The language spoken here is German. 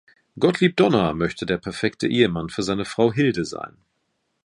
Gottlieb Donner möchte der perfekte Ehemann für seine Frau Hilde sein.